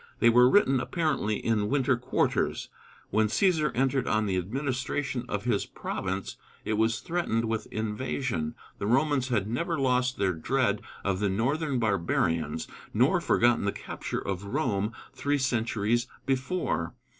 They were written apparently in winter quarters. When Cæsar entered on the administration of his province it was threatened with invasion. The Romans had never lost their dread of the northern barbarians, nor forgotten the capture of Rome three centuries before.